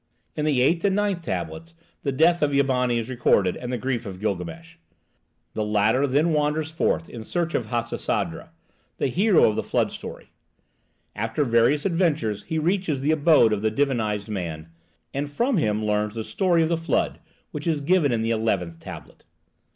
In the eighth and ninth tablets the death of Eabani is recorded, and the grief of Gilgamesh. The latter then wanders forth in search of Hasisadra, the hero of the Flood story. After various adventures he reaches the abode of the divinized man, and from him learns the story of the Flood, which is given in the eleventh tablet.